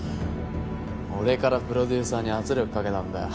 俺からプロデューサーに圧力かけたんだよ。